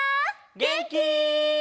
げんき？